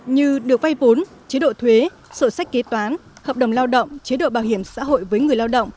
như được vay vốn chế độ thuế sổ sách kế toán hợp đồng lao động